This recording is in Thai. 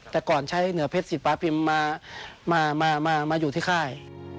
แต่ก่อนใช้เหนือเพชรสิทธาพิมพ์มาอยู่ที่ค่าย